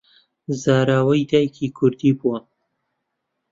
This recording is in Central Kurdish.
زاراوەی دایکی کوردی بووە